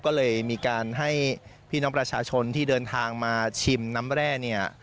ก็เลยมีการให้พี่น้องประชาชนที่เดินทางมาชิมน้ำแร่เนี่ย